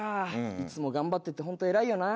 いつも頑張ってて本当偉いよな。